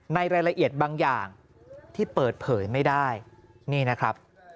ในรายละเอียดบางอย่างที่เปิดเผยไม่ได้นี่นะครับ